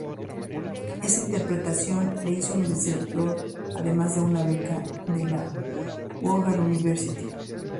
Esa interpretación le hizo merecedor además de una beca de la Howard University.